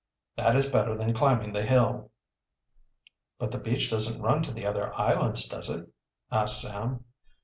That is better than climbing the hill." "But the beach doesn't run to the other islands, does it?" asked Sam.